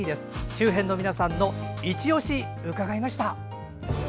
周辺の皆さんのいちオシ伺いました。